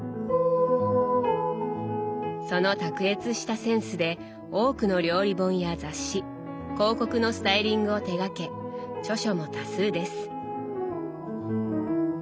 その卓越したセンスで多くの料理本や雑誌広告のスタイリングを手がけ著書も多数です。